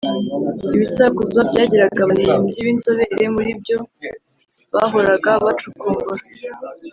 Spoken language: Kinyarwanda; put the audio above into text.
Ibisakuzo byagiraga abahimbyi b’inzobere muri byo bahoraga bacukumbura